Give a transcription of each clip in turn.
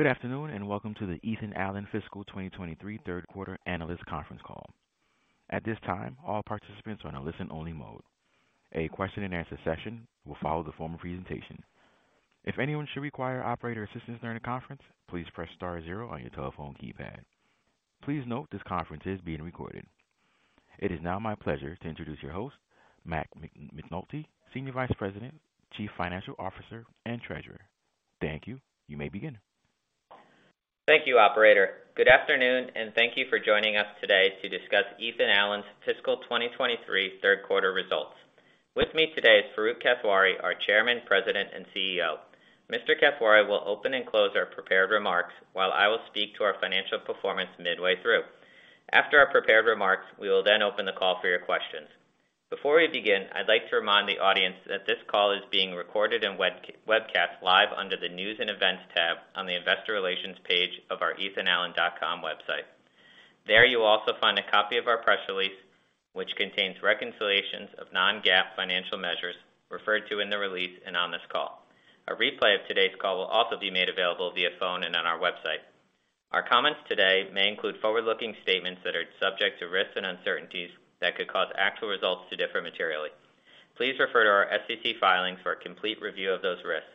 Good afternoon, welcome to the Ethan Allen Fiscal 2023 Third Quarter Analyst Conference Call. At this time, all participants are in a listen-only mode. A question and answer session will follow the formal presentation. If anyone should require operator assistance during the conference, please press star zero on your telephone keypad. Please note this conference is being recorded. It is now my pleasure to introduce your host, Matt McNulty, Senior Vice President, Chief Financial Officer, and Treasurer. Thank you. You may begin. Thank you, operator. Good afternoon. Thank you for joining us today to discuss Ethan Allen's fiscal 2023 third quarter results. With me today is Farooq Kathwari, our Chairman, President, and CEO. Mr. Kathwari will open and close our prepared remarks while I will speak to our financial performance midway through. After our prepared remarks, we will open the call for your questions. Before we begin, I'd like to remind the audience that this call is being recorded and webcast live under the News and Events tab on the Investor Relations page of our ethanallen.com website. There, you'll also find a copy of our press release, which contains reconciliations of non-GAAP financial measures referred to in the release and on this call. A replay of today's call will also be made available via phone and on our website. Our comments today may include forward-looking statements that are subject to risks and uncertainties that could cause actual results to differ materially. Please refer to our SEC filings for a complete review of those risks.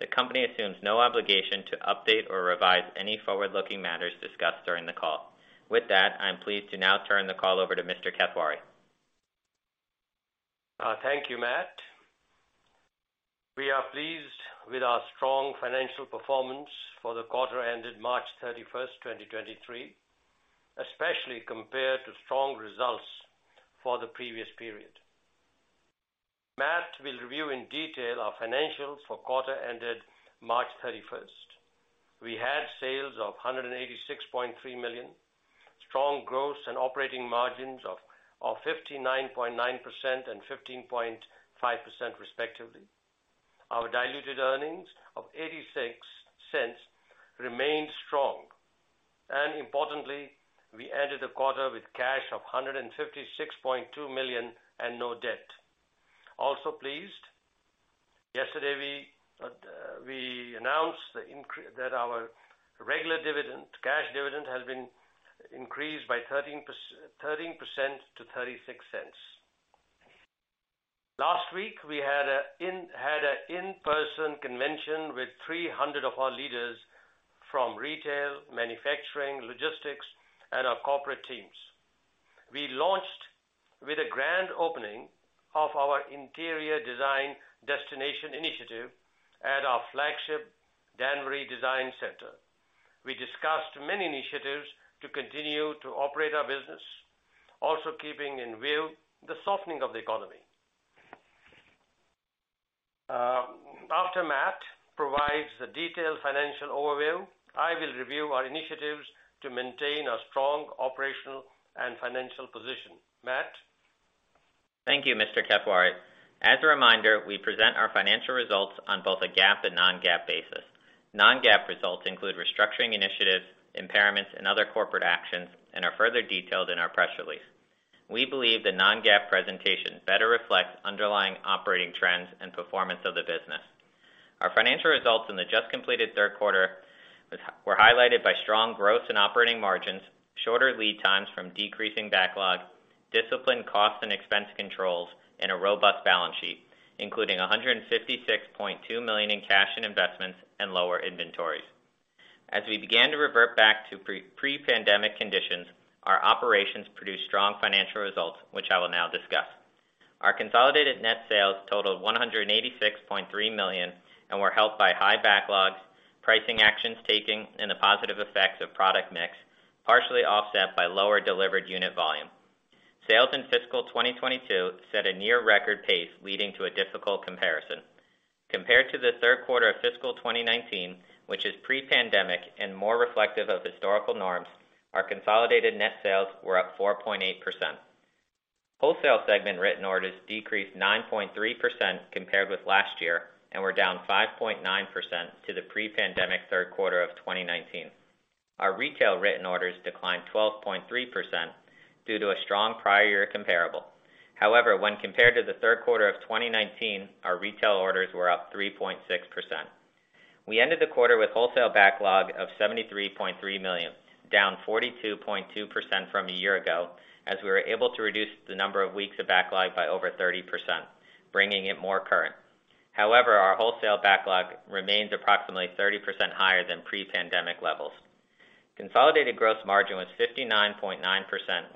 The company assumes no obligation to update or revise any forward-looking matters discussed during the call. With that, I'm pleased to now turn the call over to Mr. Kathwari. Thank you, Matt. We are pleased with our strong financial performance for the quarter ending March 31, 2023, especially compared to strong results for the previous period. Matt will review in detail our financials for quarter ending March 31. We had sales of $186.3 million, strong gross and operating margins of 59.9% and 15.5%, respectively. Our diluted earnings of $0.86 remained strong. Importantly, we ended the quarter with cash of $156.2 million and no debt. Also pleased, yesterday we announced that our regular dividend, cash dividend has been increased by 13% to $0.36. Last week, we had a in-person convention with 300 of our leaders from retail, manufacturing, logistics, and our corporate teams. We launched with a grand opening of our Interior Design Destination initiative at our flagship Danbury Design Center. We discussed many initiatives to continue to operate our business, also keeping in view the softening of the economy. After Matt provides the detailed financial overview, I will review our initiatives to maintain a strong operational and financial position. Matt? Thank you, Mr. Kathwari. As a reminder, we present our financial results on both a GAAP and non-GAAP basis. Non-GAAP results include restructuring initiatives, impairments, and other corporate actions and are further detailed in our press release. We believe the non-GAAP presentation better reflects underlying operating trends and performance of the business. Our financial results in the just completed third quarter were highlighted by strong growth in operating margins, shorter lead times from decreasing backlog, disciplined cost and expense controls, and a robust balance sheet, including $156.2 million in cash and investments and lower inventories. As we began to revert back to pre-pandemic conditions, our operations produced strong financial results, which I will now discuss. Our consolidated net sales totaled $186.3 million and were helped by high backlogs, pricing actions taking, and the positive effects of product mix, partially offset by lower delivered unit volume. Sales in fiscal 2022 set a near record pace, leading to a difficult comparison. Compared to the third quarter of fiscal 2019, which is pre-pandemic and more reflective of historical norms, our consolidated net sales were up 4.8%. Wholesale segment written orders decreased 9.3% compared with last year and were down 5.9% to the pre-pandemic third quarter of 2019. Our retail written orders declined 12.3% due to a strong prior year comparable. When compared to the third quarter of 2019, our retail orders were up 3.6%. We ended the quarter with wholesale backlog of $73.3 million, down 42.2% from a year ago, as we were able to reduce the number of weeks of backlog by over 30%, bringing it more current. Our wholesale backlog remains approximately 30% higher than pre-pandemic levels. Consolidated gross margin was 59.9%,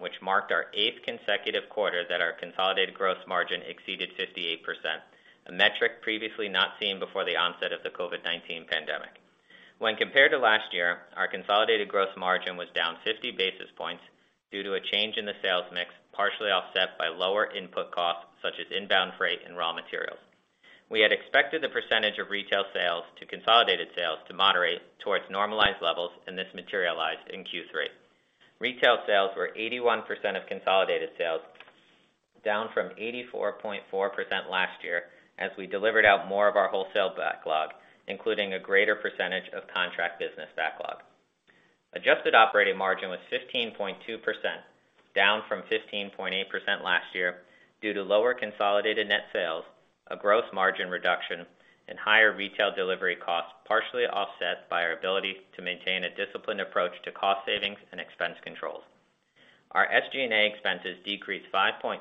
which marked our eighth consecutive quarter that our consolidated gross margin exceeded 58%, a metric previously not seen before the onset of the COVID-19 pandemic. Compared to last year, our consolidated gross margin was down 50 basis points due to a change in the sales mix, partially offset by lower input costs such as inbound freight and raw materials. We had expected the percentage of retail sales to consolidated sales to moderate towards normalized levels, and this materialized in Q3. Retail sales were 81% of consolidated sales, down from 84.4% last year, as we delivered out more of our wholesale backlog, including a greater percentage of contract business backlog. Adjusted operating margin was 15.2%, down from 15.8% last year due to lower consolidated net sales, a gross margin reduction and higher retail delivery costs, partially offset by our ability to maintain a disciplined approach to cost savings and expense controls. Our SG&A expenses decreased 5.7%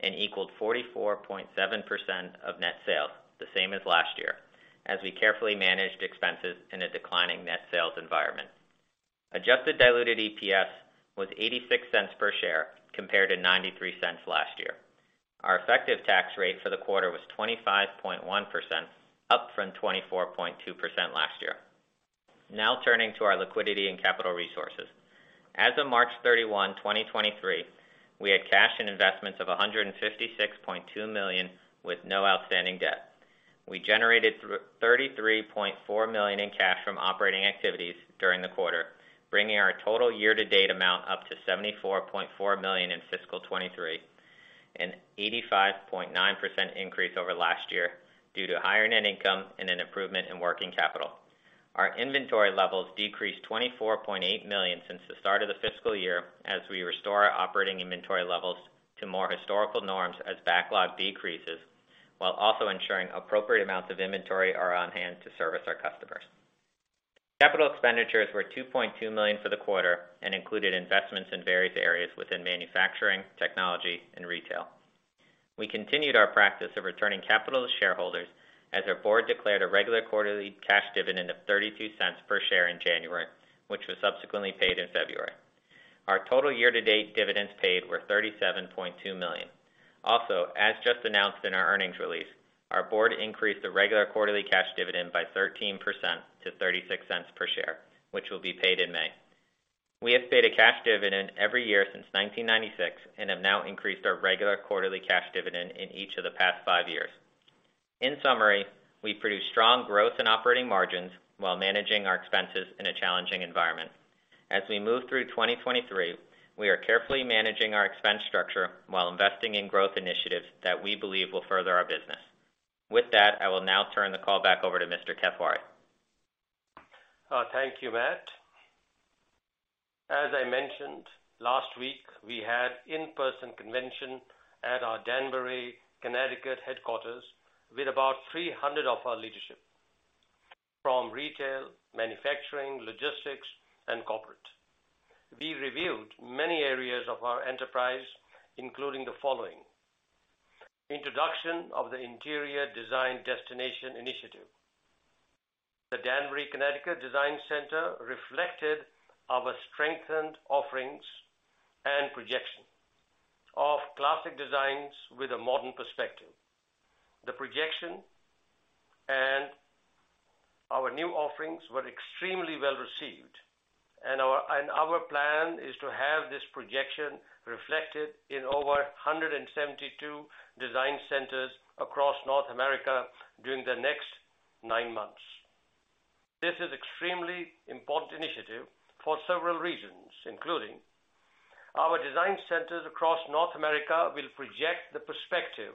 and equaled 44.7% of net sales, the same as last year as we carefully managed expenses in a declining net sales environment. Adjusted diluted EPS was $0.86 per share compared to $0.93 last year. Our effective tax rate for the quarter was 25.1%, up from 24.2% last year. Turning to our liquidity and capital resources. As of March 31, 2023, we had cash and investments of $156.2 million with no outstanding debt. We generated $33.4 million in cash from operating activities during the quarter, bringing our total year to date amount up to $74.4 million in fiscal 2023, an 85.9% increase over last year due to higher net income and an improvement in working capital. Our inventory levels decreased $24.8 million since the start of the fiscal year as we restore our operating inventory levels to more historical norms as backlog decreases, while also ensuring appropriate amounts of inventory are on hand to service our customers. Capital expenditures were $2.2 million for the quarter and included investments in various areas within manufacturing, technology and retail. We continued our practice of returning capital to shareholders as our board declared a regular quarterly cash dividend of $0.32 per share in January, which was subsequently paid in February. Our total year-to-date dividends paid were $37.2 million. As just announced in our earnings release, our board increased the regular quarterly cash dividend by 13% to $0.36 per share, which will be paid in May. We have paid a cash dividend every year since 1996 and have now increased our regular quarterly cash dividend in each of the past 5 years. In summary, we produced strong growth in operating margins while managing our expenses in a challenging environment. As we move through 2023, we are carefully managing our expense structure while investing in growth initiatives that we believe will further our business. With that, I will now turn the call back over to Mr. Kathwari. Thank you, Matt. As I mentioned last week, we had in-person convention at our Danbury, Connecticut headquarters with about 300 of our leadership from retail, manufacturing, logistics and corporate. We reviewed many areas of our enterprise, including the following: Introduction of the Interior Design Destination Initiative. The Danbury, Connecticut Design Center reflected our strengthened offerings and projection of classic designs with a modern perspective. The projection and our new offerings were extremely well received, and our plan is to have this projection reflected in over 172 design centers across North America during the next nine months. This is extremely important initiative for several reasons, including our design centers across North America will project the perspective,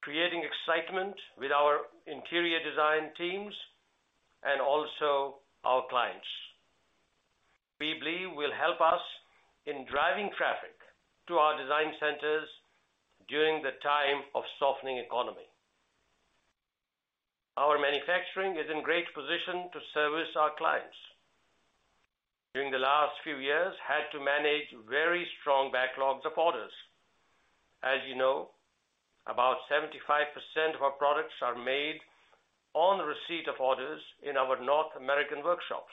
creating excitement with our interior design teams and also our clients. We believe will help us in driving traffic to our design centers during the time of softening economy. Our manufacturing is in great position to service our clients. During the last few years, had to manage very strong backlogs of orders. As you know, about 75% of our products are made on receipt of orders in our North American workshops.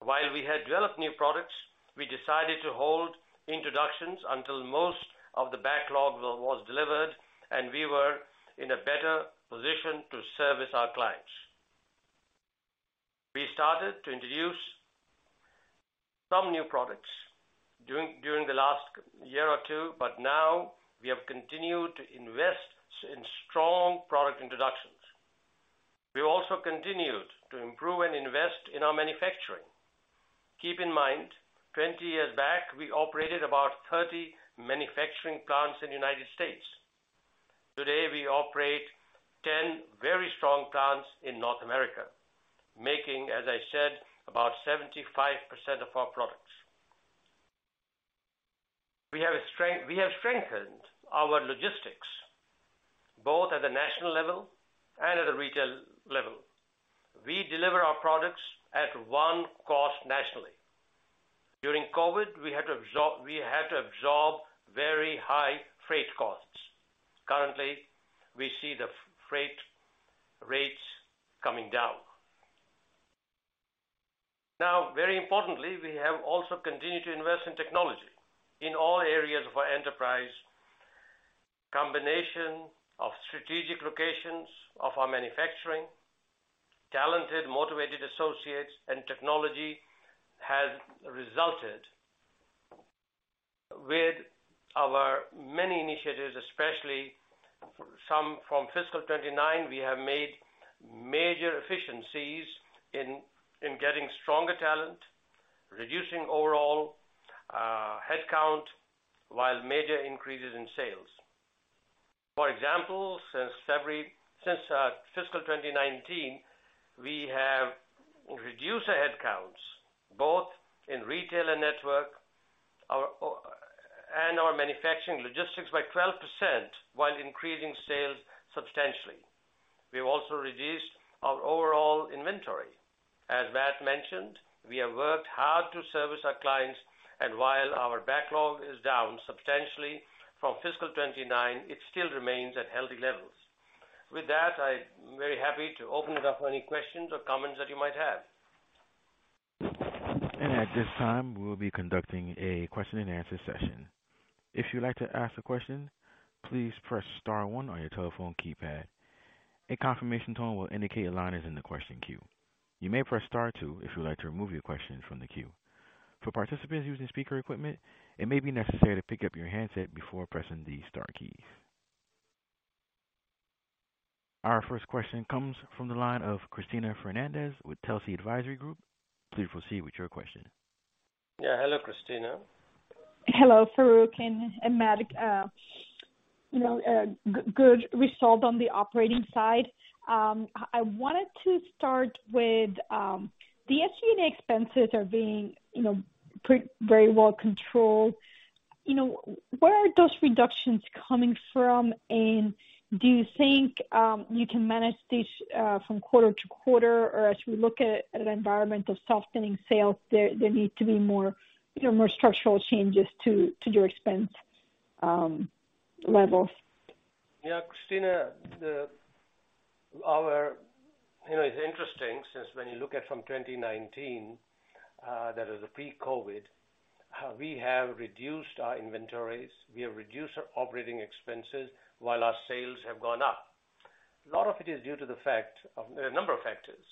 While we had developed new products, we decided to hold introductions until most of the backlog was delivered and we were in a better position to service our clients. We started to introduce some new products during the last year or two. Now we have continued to invest in strong product introductions. We also continued to improve and invest in our manufacturing. Keep in mind, 20 years back, we operated about 30 manufacturing plants in the United States. Today, we operate 10 very strong plants in North America, making, as I said, about 75% of our products. We have strengthened our logistics both at the national level and at the retail level. We deliver our products at one cost nationally. During COVID, we had to absorb very high freight costs. Currently, we see the freight rates coming down. Very importantly, we have also continued to invest in technology in all areas of our enterprise. Combination of strategic locations of our manufacturing, talented, motivated associates and technology has resulted with our many initiatives, especially some from fiscal 2019, we have made major efficiencies in getting stronger talent, reducing overall headcount, while major increases in sales. For example, since fiscal 2019, we have reduced our headcounts, both in retail and network and our manufacturing logistics by 12% while increasing sales substantially. We have also reduced our overall inventory. As Matt mentioned, we have worked hard to service our clients, and while our backlog is down substantially from fiscal 2019, it still remains at healthy levels. With that, I'm very happy to open it up for any questions or comments that you might have. At this time, we'll be conducting a question-and-answer session. If you'd like to ask a question, please press star one on your telephone keypad. A confirmation tone will indicate your line is in the question queue. You may press star two if you would like to remove your question from the queue. For participants using speaker equipment, it may be necessary to pick up your handset before pressing the star keys. Our first question comes from the line of Cristina Fernandez with Telsey Advisory Group. Please proceed with your question. Yeah. Hello, Cristina. Hello, Farooq and Matt. You know, good result on the operating side. I wanted to start with the SG&A expenses are being, you know, very well controlled. You know, where are those reductions coming from? Do you think you can manage this from quarter to quarter? Or as we look at an environment of softening sales, there need to be more, you know, more structural changes to your expense levels. Yeah, Cristina, you know, it's interesting since when you look at from 2019, that is pre-COVID-19, we have reduced our inventories, we have reduced our operating expenses while our sales have gone up. A lot of it is due to a number of factors.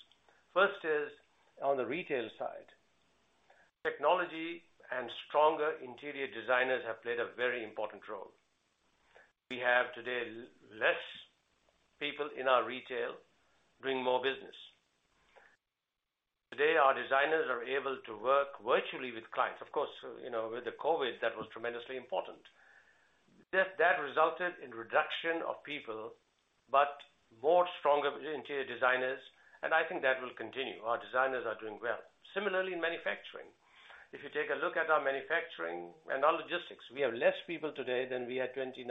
First is, on the retail side, technology and stronger interior designers have played a very important role. We have today less people in our retail bring more business. Today, our designers are able to work virtually with clients. Of course, you know, with the COVID-19, that was tremendously important. That resulted in reduction of people, but more stronger interior designers, and I think that will continue. Our designers are doing well. Similarly, manufacturing. If you take a look at our manufacturing and our logistics, we have less people today than we had 2019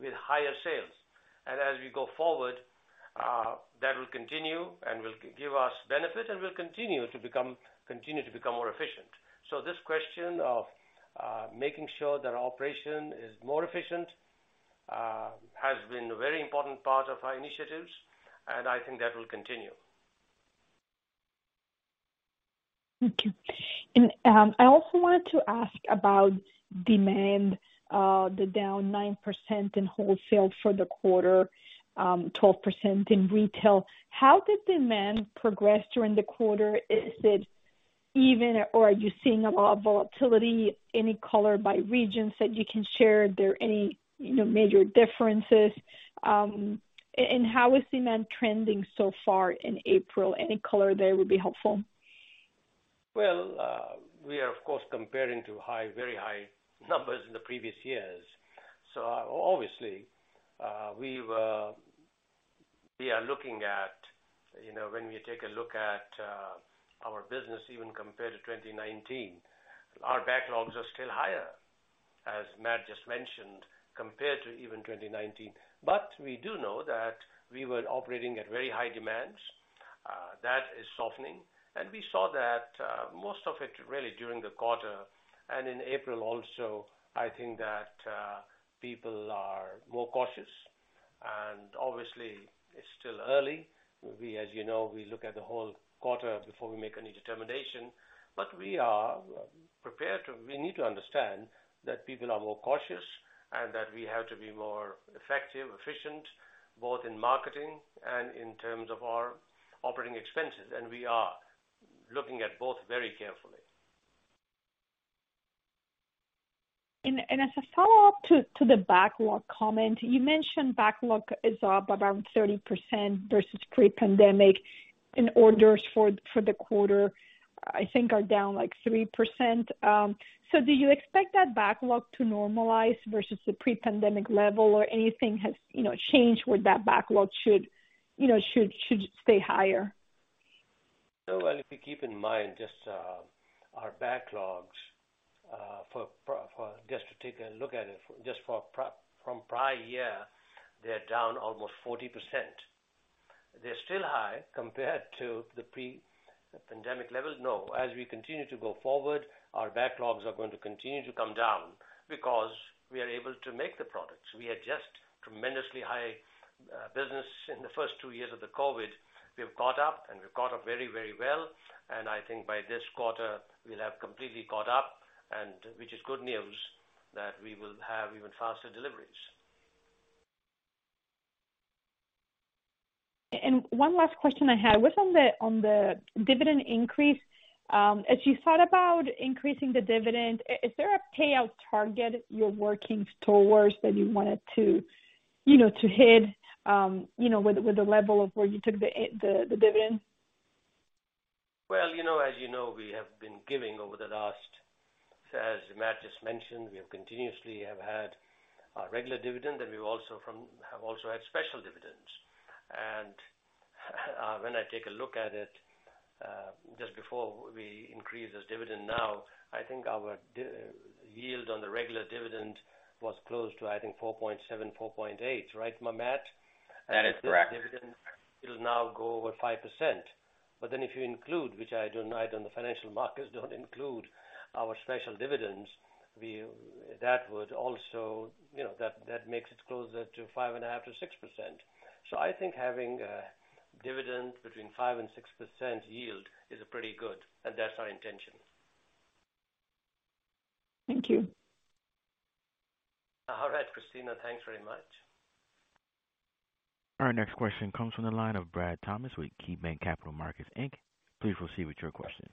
with higher sales. As we go forward, that will continue and will give us benefit and will continue to become more efficient. This question of, making sure that our operation is more efficient, has been a very important part of our initiatives, and I think that will continue. Thank you. I also wanted to ask about demand, they're down 9% in wholesale for the quarter, 12% in retail. How did demand progress during the quarter? Is it even or are you seeing a lot of volatility? Any color by regions that you can share? Are there any, you know, major differences? And how is demand trending so far in April? Any color there would be helpful. Well, we are of course comparing to high, very high numbers in the previous years. Obviously, we are looking at, you know, when we take a look at our business even compared to 2019, our backlogs are still higher, as Matt just mentioned, compared to even 2019. We do know that we were operating at very high demands. That is softening. We saw that most of it really during the quarter and in April also, I think that people are more cautious. Obviously, it's still early. We, as you know, we look at the whole quarter before we make any determination. We are prepared to... We need to understand that people are more cautious and that we have to be more effective, efficient, both in marketing and in terms of our operating expenses. We are looking at both very carefully. As a follow-up to the backlog comment, you mentioned backlog is up about 30% versus pre-pandemic, and orders for the quarter, I think are down like 3%. Do you expect that backlog to normalize versus the pre-pandemic level or anything has, you know, changed where that backlog should, you know, stay higher? No. Well, if you keep in mind just our backlogs, just to take a look at it just from prior year, they're down almost 40%. They're still high compared to the pre-pandemic levels, no. As we continue to go forward, our backlogs are going to continue to come down because we are able to make the products. We had just tremendously high business in the first two years of the COVID. We've caught up, and we've caught up very well. I think by this quarter, we'll have completely caught up, and which is good news that we will have even faster deliveries. One last question I had was on the, on the dividend increase. As you thought about increasing the dividend, is there a payout target you're working towards that you wanted to, you know, to hit, you know, with the level of where you took the dividend? Well, you know, as you know, we have been giving over the last, as Matt just mentioned, we have continuously had our regular dividend, and we've also had special dividends. When I take a look at it, just before we increase this dividend now, I think our yield on the regular dividend was close to, I think, 4.7%, 4.8%. Right, Matt? That is correct. It'll now go over 5%. If you include, which I do not, and the financial markets don't include our special dividends, that would also, you know, that makes it closer to 5.5%-6%. I think having a dividend between 5% and 6% yield is pretty good, and that's our intention. Thank you. All right, Cristina. Thanks very much. Our next question comes from the line of Brad Thomas with KeyBanc Capital Markets Inc. Please proceed with your question.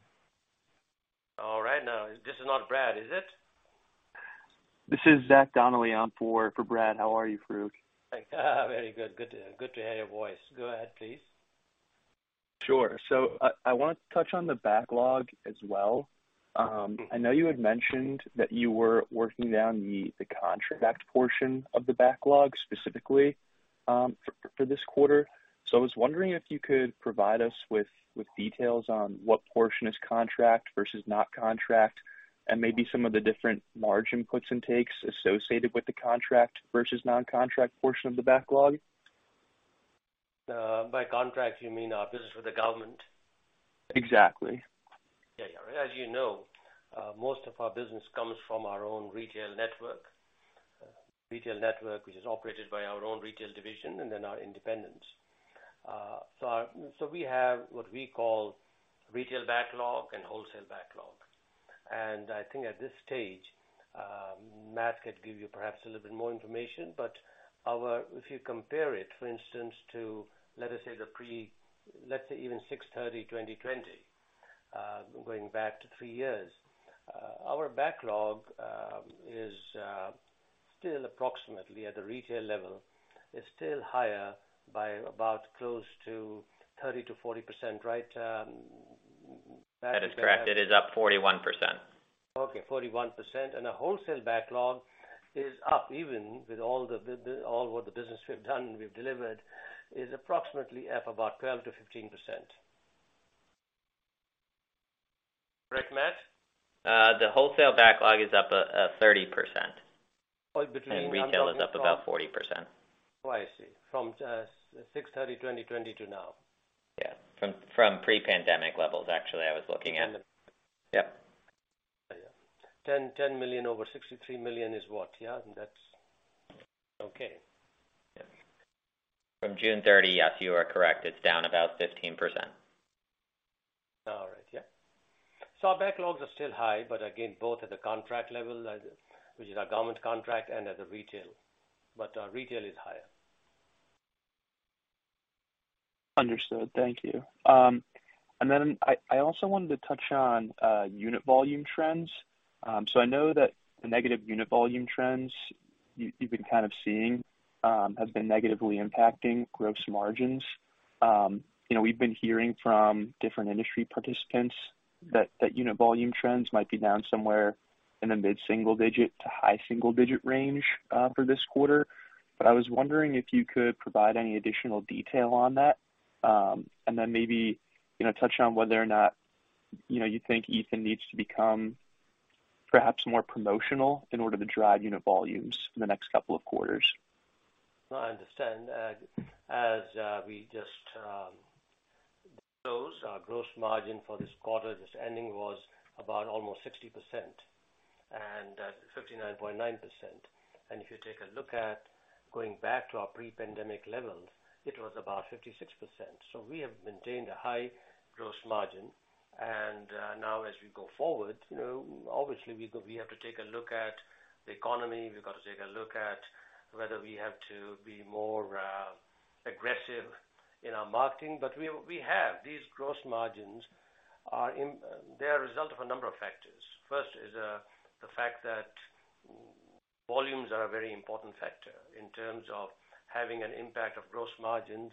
All right. No, this is not Brad, is it? This is Zach Donnelly on for Brad. How are you, Farooq? Very good. Good to hear your voice. Go ahead, please. Sure. I want to touch on the backlog as well. I know you had mentioned that you were working down the contract portion of the backlog specifically for this quarter. I was wondering if you could provide us with details on what portion is contract versus not contract, and maybe some of the different margin puts and takes associated with the contract versus non-contract portion of the backlog. By contract, you mean our business with the government? Exactly. Yeah, yeah. As you know, most of our business comes from our own retail network. Retail network, which is operated by our own retail division and then our independents. So we have what we call retail backlog and wholesale backlog. I think at this stage, Matt could give you perhaps a little bit more information, but If you compare it, for instance, to, let us say, let's say even 06/30/2020, going back to three years, our backlog is still approximately at the retail level, is still higher by about close to 30%-40%. Right, Matt? That is correct. It is up 41%. Okay, 41%. Our wholesale backlog is up even with all what the business we've done, we've delivered, is approximately up about 12%-15%. Correct, Matt? The wholesale backlog is up a 30%. Oh. Retail is up about 40%. Oh, I see. From 6/30/2020 to now. Yeah. From pre-pandemic levels, actually, I was looking at. Pandemic. Yeah. Yeah. $10 million over $63 million is what? Yeah, that's. Okay. Yeah. From June thirty, yes, you are correct. It's down about 15%. All right. Yeah. Our backlogs are still high, but again, both at the contract level, which is our government contract and at the retail. Our retail is higher. Understood. Thank you. I also wanted to touch on unit volume trends. I know that the negative unit volume trends you've been kind of seeing, have been negatively impacting gross margins. You know, we've been hearing from different industry participants that unit volume trends might be down somewhere in the mid-single digit to high single digit range for this quarter. I was wondering if you could provide any additional detail on that, and then maybe, you know, touch on whether or not, you know, you think Ethan Allen needs to become perhaps more promotional in order to drive unit volumes in the next couple of quarters. No, I understand. As we just closed, our gross margin for this quarter just ending was about almost 60% and 59.9%. If you take a look at going back to our pre-pandemic levels, it was about 56%. We have maintained a high gross margin. Now as we go forward, you know, obviously, we have to take a look at the economy. We've got to take a look at whether we have to be more aggressive in our marketing. We, we have. These gross margins are a result of a number of factors. First is, the fact that volumes are a very important factor in terms of having an impact of gross margins,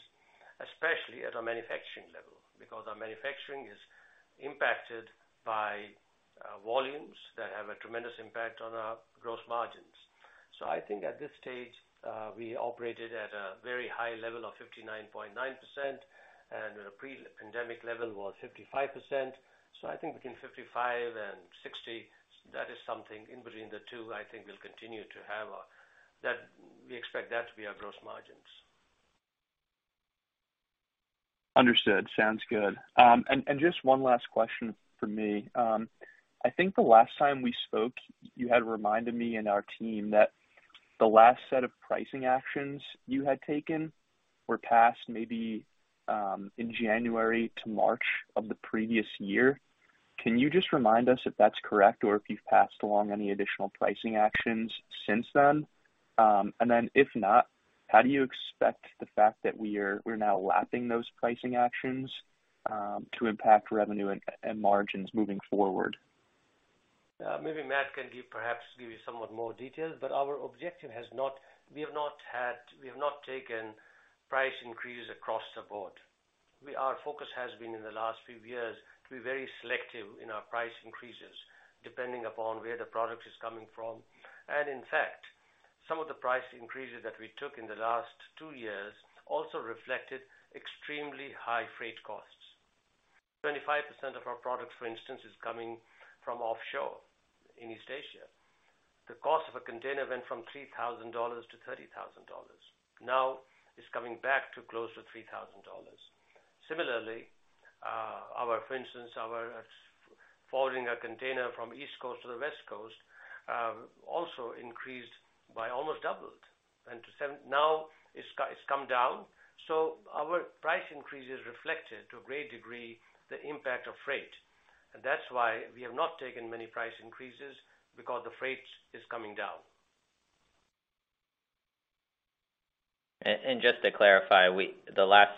especially at our manufacturing level, because our manufacturing is impacted by, volumes that have a tremendous impact on our gross margins. I think at this stage, we operated at a very high level of 59.9%, and our pre-pandemic level was 55%. I think between 55 and 60, that is something in between the two, I think we'll continue to have our. We expect that to be our gross margins. Understood. Sounds good. Just one last question from me. I think the last time we spoke, you had reminded me and our team that the last set of pricing actions you had taken were passed maybe in January to March of the previous year. Can you just remind us if that's correct or if you've passed along any additional pricing actions since then? Then if not, how do you expect the fact that we're now lapping those pricing actions to impact revenue and margins moving forward? maybe Matt can perhaps give you somewhat more details, but our objective has not taken price increases across the board. Our focus has been, in the last few years, to be very selective in our price increases depending upon where the product is coming from. In fact, some of the price increases that we took in the last two years also reflected extremely high freight costs. 25% of our product, for instance, is coming from offshore in East Asia. The cost of a container went from $3,000 to $30,000. Now it's coming back to close to $3,000. Similarly, for instance, our forwarding a container from East Coast to the West Coast, also increased by almost doubled. To seven-- Now it's come down, so our price increases reflected, to a great degree, the impact of freight. That's why we have not taken many price increases because the freight is coming down. Just to clarify, the last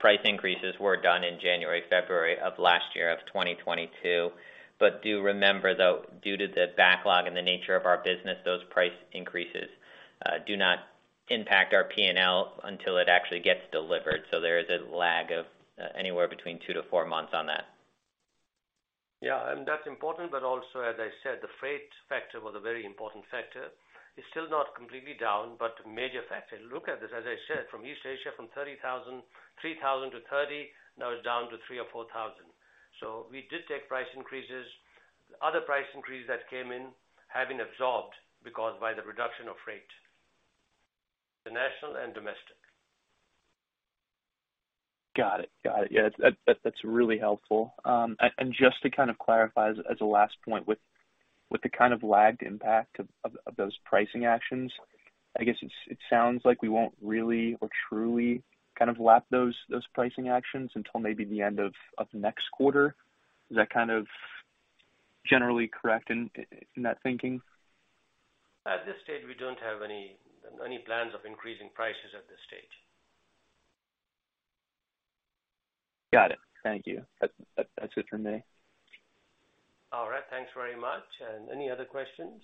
price increases were done in January, February of last year, of 2022. Do remember, though, due to the backlog and the nature of our business, those price increases do not impact our P&L until it actually gets delivered. There is a lag of anywhere between 2 to 4 months on that. That's important. Also, as I said, the freight factor was a very important factor. It's still not completely down, but major factor. Look at this. As I said, from East Asia from $3,000 to $30, now it's down to $3,000 or $4,000. We did take price increases. Other price increases that came in have been absorbed because by the reduction of freight, the national and domestic. Got it. Got it. Yeah, that's really helpful. And just to kind of clarify as a last point with the kind of lagged impact of those pricing actions, I guess it sounds like we won't really or truly kind of lap those pricing actions until maybe the end of next quarter. Is that kind of generally correct in that thinking? At this stage, we don't have any plans of increasing prices at this stage. Got it. Thank you. That's good for me. All right. Thanks very much. Any other questions?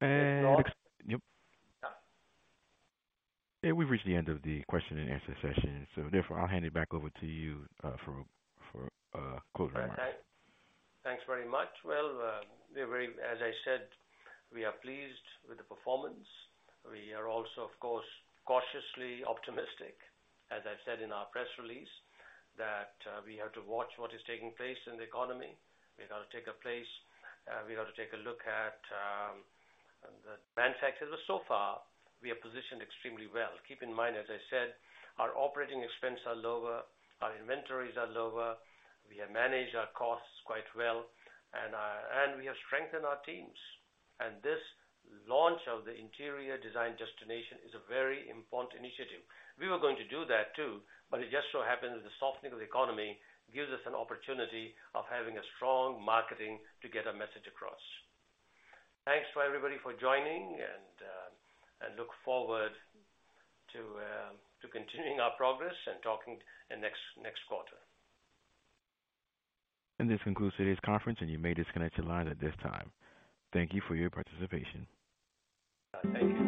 And- John? Yep. Yeah. Yeah, we've reached the end of the question and answer session. Therefore I'll hand it back over to you for closing remarks. Thanks very much. Well, we're very... As I said, we are pleased with the performance. We are also, of course, cautiously optimistic, as I've said in our press release, that we have to watch what is taking place in the economy. We've got to take a place, we've got to take a look at the trend factors. So far, we are positioned extremely well. Keep in mind, as I said, our operating expense are lower, our inventories are lower, we have managed our costs quite well, and we have strengthened our teams. This launch of the Interior Design Destination is a very important initiative. We were going to do that too, but it just so happens that the softening of the economy gives us an opportunity of having a strong marketing to get our message across. Thanks for everybody for joining and look forward to continuing our progress and talking next quarter. This concludes today's conference, and you may disconnect your lines at this time. Thank you for your participation. Thank you.